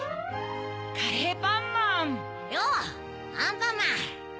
カレーパンマン。ようアンパンマン。